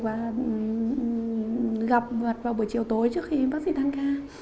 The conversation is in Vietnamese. và gặp vật vào buổi chiều tối trước khi bác sĩ thăng ca